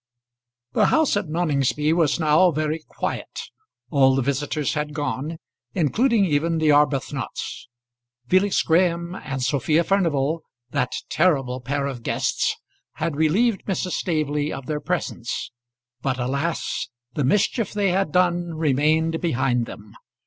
The house at Noningsby was now very quiet. All the visitors had gone, including even the Arbuthnots. Felix Graham and Sophia Furnival, that terrible pair of guests, had relieved Mrs. Staveley of their presence; but, alas! the mischief they had done remained behind them.